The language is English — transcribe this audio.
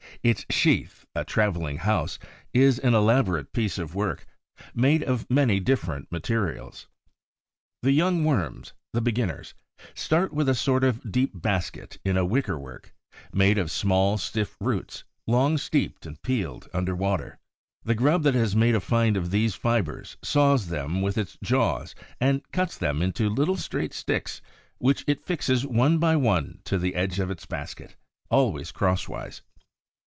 Its sheath, a traveling house, is an elaborate piece of work, made of many different materials. The young worms, the beginners, start with a sort of deep basket in wicker work, made of small, stiff roots, long steeped and peeled under water. The grub that has made a find of these fibers saws them with its jaws and cuts them into little straight sticks, which it fixes one by one to the edge of its basket, always crosswise.